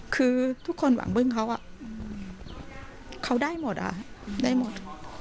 คือทุกคนหวังบึ้งเขาได้หมดได้หมด